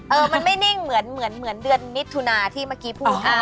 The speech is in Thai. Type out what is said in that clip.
เออมันไม่นิ่งเหมือนเดือนมิถุนาที่เมื่อกี้พูด